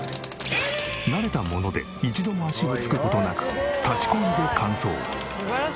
慣れたもので一度も足を着く事なく立ちこぎで完走。